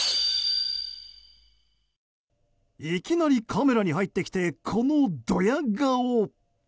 いきなりカメラに入ってきてこのどや顔。